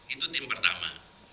itu tim pertama